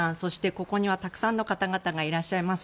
ここにはたくさんの方々がいらっしゃいます。